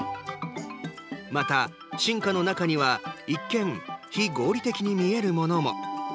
また進化の中には一見、非合理的に見えるものも。